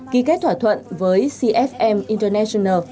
ký kết thỏa thuận với cfm international